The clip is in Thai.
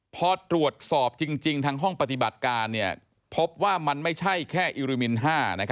พอตรวจสอบจริงทางห้องปฏิบัติการพบว่ามันไม่ใช่แค่อิริมิน๕